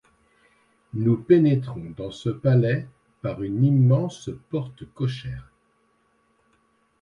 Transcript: Nous pénétrons dans ce palais par une immense porte cochère.